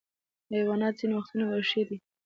حیوانات ځینې وختونه وحشي دي.